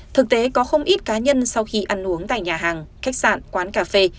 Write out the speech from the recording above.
thực tế có không ít cá nhân sau khi ăn uống tại nhà hàng khách sạn quán cà phê